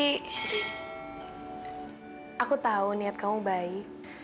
aku tahu niat kamu baik